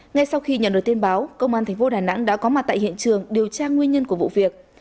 ngay sau khi nhận được tin báo công an tp đà nẵng đã có mặt tại hiện trường điều tra nguyên nhân của vụ việc